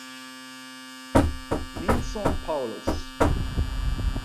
Neilson Powless